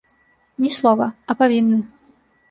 Ні слова, а павінны!